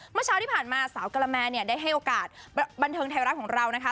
เมื่อเช้าที่ผ่านมาสาวกะละแมเนี่ยได้ให้โอกาสบันเทิงไทยรัฐของเรานะคะ